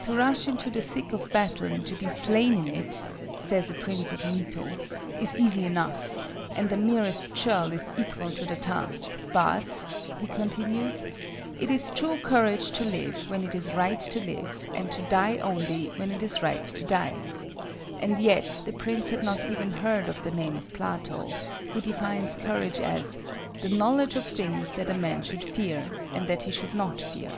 "To rush into the thick of battle and to be slain in it," says a Prince of Mito, "is easy enough, and the merest churl is equal to the task; but," he continues, "it is true courage to live when it is right to live, and to die only when it is right to die," and yet the Prince had not even heard of the name of Plato, who defines courage as "the knowledge of things that a man should fear and that he should not fear."